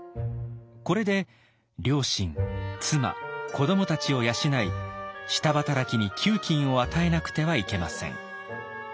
これで両親妻子どもたちを養い下働きに給金を与えなくてはいけません。